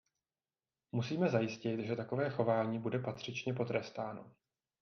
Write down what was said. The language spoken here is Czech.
Musíme zajistit, že takové chování bude patřičně potrestáno.